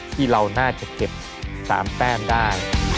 ที่เราน่าจะเก็บ๓แต้มได้